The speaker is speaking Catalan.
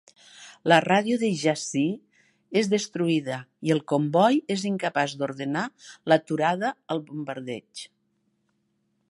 La ràdio de Yahzee és destruïda i el comboi és incapaç d'ordenar l'aturada el bombardeig.